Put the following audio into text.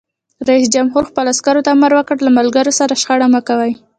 رئیس جمهور خپلو عسکرو ته امر وکړ؛ له ملګرو سره شخړه مه کوئ!